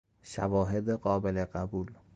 شواهد قابل قبول